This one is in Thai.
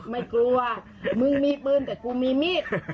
ไม่กลัวมึงมีปืนแต่กูมีมีด